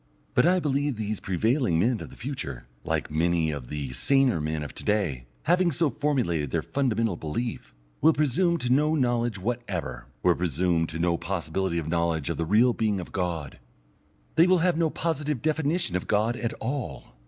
But I believe that these prevailing men of the future, like many of the saner men of to day, having so formulated their fundamental belief, will presume to no knowledge whatever, will presume to no possibility of knowledge of the real being of God. They will have no positive definition of God at all.